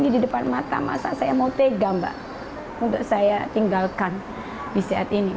di depan mata masa saya mau tega mbak untuk saya tinggalkan di saat ini